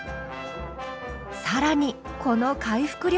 更にこの回復力。